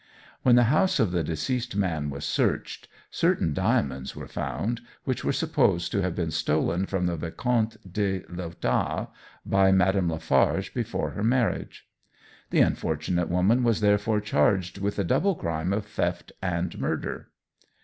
When the house of the deceased man was searched, certain diamonds were found, which were supposed to have been stolen from the Vicomtesse de Léotaud by Madame Lafarge before her marriage. The unfortunate woman was therefore charged with the double crime of theft and murder.